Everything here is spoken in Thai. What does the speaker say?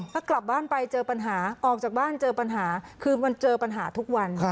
ถ้ากลับบ้านไปเจอปัญหาออกจากบ้านเจอปัญหาคือมันเจอปัญหาทุกวัน